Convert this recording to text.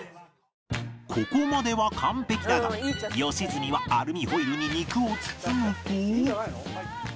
ここまでは完璧だが良純はアルミホイルに肉を包むと